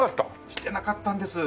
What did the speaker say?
してなかったんです。